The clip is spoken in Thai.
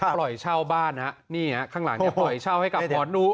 ปล่อยเช่าบ้านฮะนี่ฮะข้างหลังเนี่ยปล่อยเช่าให้กับหมอนู